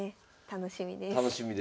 楽しみです。